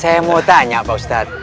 saya mau tanya pak ustadz